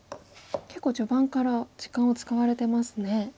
結構序盤から時間を使われてますね。